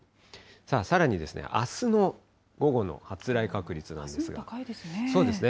さらにあすの午後の発雷確率なんあすも高いですね。